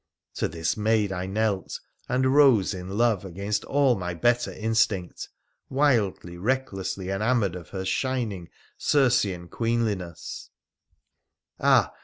To this maid I knelt— and rose in love against all my better instinct — wildly, recklessly enamoured of her shining Circean queenliness — ah